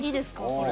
それ。